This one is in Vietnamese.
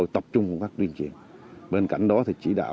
thường xuyên công tác kiểm tra